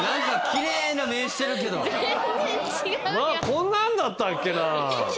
こんなんだったっけな？